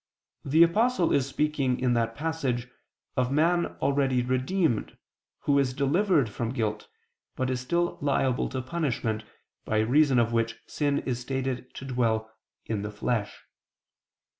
66], the Apostle is speaking, in that passage, of man already redeemed, who is delivered from guilt, but is still liable to punishment, by reason of which sin is stated to dwell "in the flesh."